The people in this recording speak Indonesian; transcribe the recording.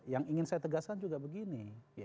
yang ingin saya tegaskan juga begini